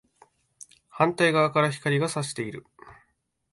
反対側から光が射している